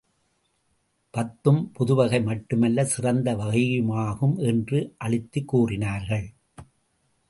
பத்தும் புதுவகை மட்டுமல்ல, சிறந்த வகையுமாகும் என்று அழுத்திக் கூறினார்கள்.